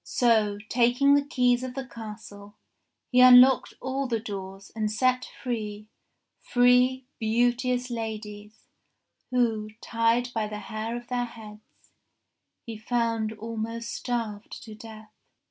So, taking the keys of the castle, he unlocked all the doors and set free three beauteous ladies who, tied by the hair of their heads, he found almost starved to death.